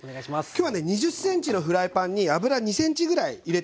今日はね２０ｃｍのフライパンに油２ｃｍぐらい入れてあります。